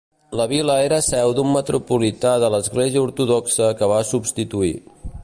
La vila era seu d'un metropolità de l'església ortodoxa que va subsistir.